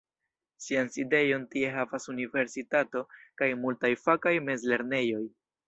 Sian sidejon tie havas Universitato kaj multaj fakaj mezlernejoj.